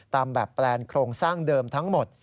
ตามแบบแปลนโครงสร้างเดิมทั้งหมด